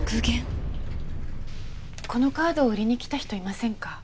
このカードを売りに来た人いませんか？